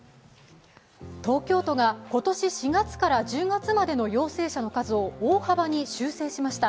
東京都が今年４月から１０月までの陽性者の数を大幅に修正しました。